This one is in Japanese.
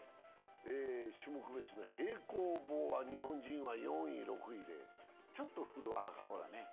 種目別の平行棒は日本人は４位、６位でちょっと振るわなかったね。